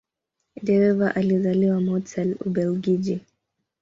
De Wever alizaliwa Mortsel, Ubelgiji.